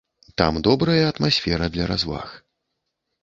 Там добрая атмасфера для разваг.